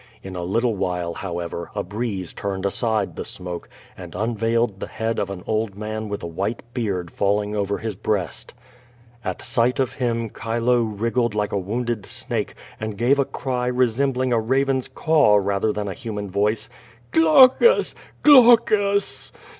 In a little V. hile, liowever, a breeze turned aside the smoke and unveiled (he head of an old man with a white beard falling over his breast. At sight of him Chilo wriggled like a wounded snake and gave a cry resembling a raven's caw rather than a human voice:* "Glaucus! Glaucus!"